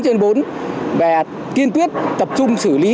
và kiên quyết tập trung xử lý tất cả các phương tiện